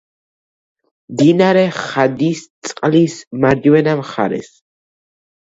მდინარე ხადისწყლის მარჯვენა მხარეს.